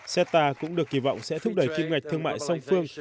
ceta cũng được kỳ vọng sẽ thúc đẩy kinh ngạch thương mại song phương